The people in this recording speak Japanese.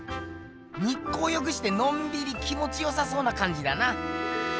日光浴してのんびり気もちよさそうなかんじだな。